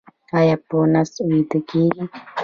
ایا په نس ویده کیږئ؟